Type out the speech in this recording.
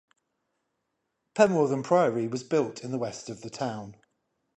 Penwortham Priory was built in the west of the town.